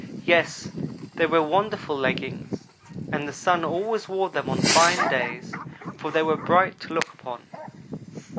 Yes, they were wonderful leggings and the Sun always wore them on fine days, for they were bright to look upon.